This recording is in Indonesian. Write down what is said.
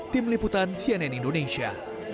tim liputan cnn indonesia